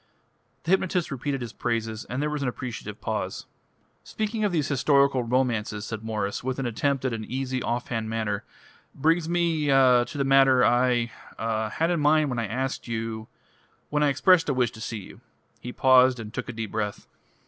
The hypnotist repeated his praises, and there was an appreciative pause. "Speaking of these historical romances," said Mwres, with an attempt at an easy, off hand manner, "brings me ah to the matter I ah had in mind when I asked you when I expressed a wish to see you." He paused and took a deep breath.